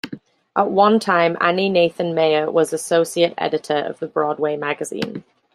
At one time, Annie Nathan Meyer was associate editor of the "Broadway Magazine".